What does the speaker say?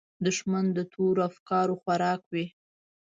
دښمن د تورو افکارو خوراک وي